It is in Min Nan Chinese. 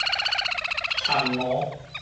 蠶娥